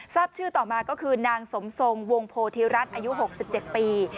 ทราบชื่อต่อมาก็คือนางสมทรงวงโพธิรัฐอายุ๖๗ปี